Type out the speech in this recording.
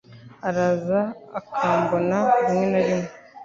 Araza akambona rimwe na rimwe.